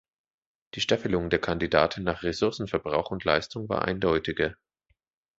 Die Staffelung der Kandidaten nach Ressourcenverbrauch und Leistung war eindeutiger.